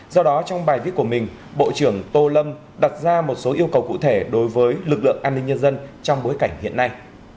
do đó trong bài viết của mình bộ trưởng tô lâm đặt ra một số yêu cầu cụ thể đối với lực lượng an ninh nhân dân trong bối cảnh hiện nay